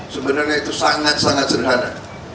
sebenarnya itu sangat sangat sederhana